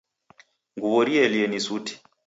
Nguwo rielie ni suti.